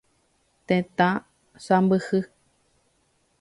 Tetã sãmbyhy.